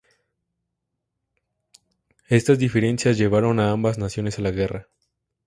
Estas diferencias llevaron a ambas naciones a la guerra.